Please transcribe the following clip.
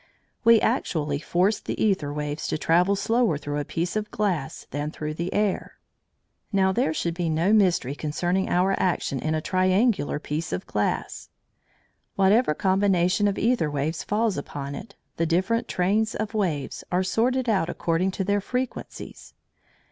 We actually force the æther waves to travel slower through a piece of glass than through the air. Now there should be no mystery concerning our action in a triangular piece of glass. Whatever combination of æther waves falls upon it, the different trains of waves are sorted out according to their frequencies.